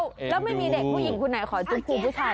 แล้วไม่มีเด็กผู้หญิงคนไหนขอจุ๊บครูผู้ชาย